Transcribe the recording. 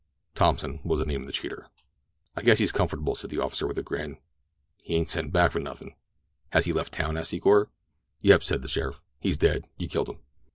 Thompson was the name of the cheater. "I guess he's comfortable," said the officer with a grin. "He ain't sent back for nothin'." "Has he left town?" asked Secor. "Yep," said the sheriff. "He's dead—you killed him."